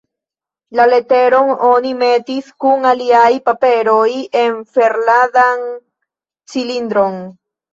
La leteron oni metis kun aliaj paperoj en ferladan cilindron.